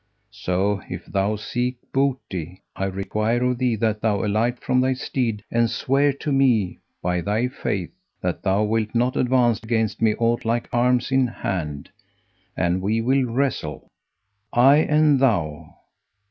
So, if thou seek booty, I require of thee that thou alight from thy steed and swear to me, by thy faith, that thou wilt not advance against me aught like arms in hand, and we will wrestle, I and thou.